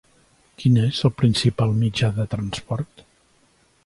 Quin és el principal mitjà de transport?